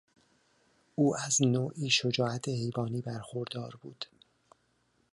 او از نوعی شجاعت حیوانی برخوردار بود.